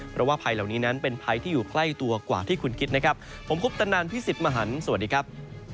เพราะว่าภัยเหล่านี้นั้นเป็นภัยที่อยู่ใกล้ตัวกว่าที่คุณคิดนะครับผมคุปตนันพี่สิทธิ์มหันฯสวัสดีครับ